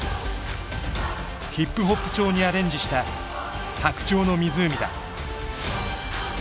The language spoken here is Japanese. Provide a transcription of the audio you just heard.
ヒップホップ調にアレンジした「白鳥の湖」だ。